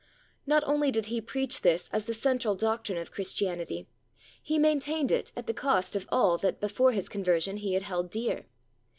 Not only did he preach this as the central doctrine of Christianity; he maintained it at the cost of all that, before his conversion, he had held dear.